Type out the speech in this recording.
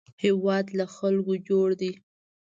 هېواد له خلکو جوړ دی